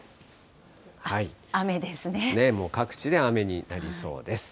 ですね、各地で雨になりそうです。